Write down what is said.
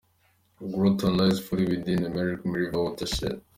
Groton lies fully within the Merrimack River watershed.